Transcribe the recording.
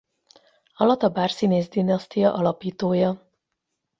A Latabár-színészdinasztia alapítója.